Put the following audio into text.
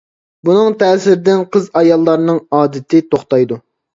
بۇنىڭ تەسىرىدىن قىز- ئاياللارنىڭ ئادىتى توختايدۇ.